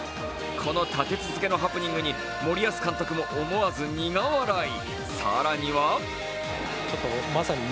この立て続けのハプニングに森保監督も思わず苦笑い。